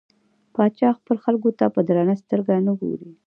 پاچا خپلو خلکو ته په درنه سترګه نه ګوري .